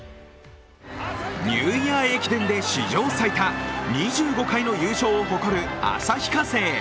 ニューイヤー駅伝で史上最多２５回の優勝を誇る旭化成。